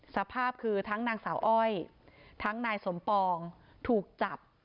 สภาพคือทั้งนางสาวอ้อยทั้งนายสมปองถูกจับ